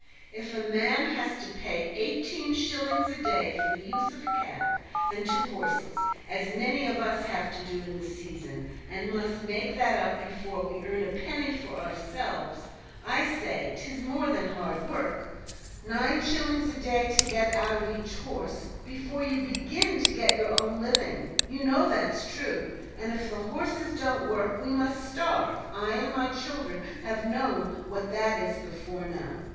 If a man has to pay eighteen shillings a day for the use of a cab and two horses, as many of us have to do in the season, and must make that up before we earn a penny for ourselves I say 'tis more than hard work; nine shillings a day to get out of each horse before you begin to get your own living. You know that's true, and if the horses don't work we must starve, and I and my children have known what that is before now.